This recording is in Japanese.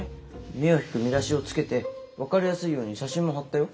目を引く見出しを付けて分かりやすいように写真も貼ったよ。